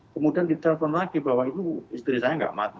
kemudian ditelepon lagi bahwa itu istri saya nggak mati